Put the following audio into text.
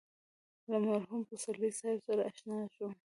له مرحوم پسرلي صاحب سره اشنا شوم.